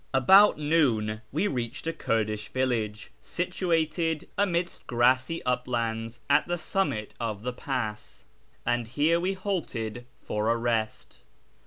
About noon we reached a Kurdish village, situated amidst grassy uplands at the summit of the pass, and here we halted for a rest.